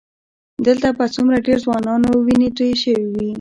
دلته به څومره ډېرو ځوانانو وینې تویې شوې وي.